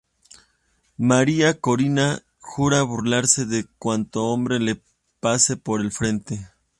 María Corina jura burlarse de cuanto hombre le pase por el frente.